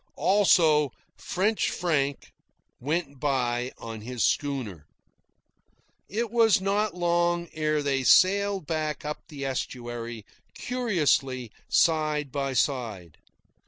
Also, French Frank went by on his schooner. It was not long ere they sailed back up the estuary, curiously side by side.